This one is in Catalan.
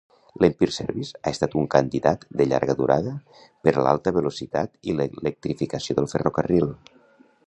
L'Empire Service ha estat un candidat de llarga durada per a l'alta velocitat i l'electrificació del ferrocarril.